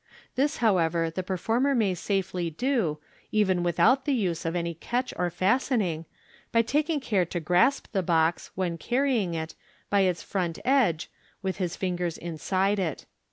This, however, the performer may safely do, even without the use of any catch or fasten ing, by taking care to grasp the box, when carrying it, by its front edge, with his ringers inside it.